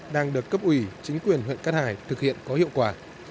đang được cấp ủy chính quyền huyện cát hải thực hiện có hiệu quả